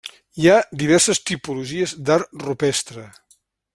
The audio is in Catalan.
Hi ha diverses tipologies d'art rupestre.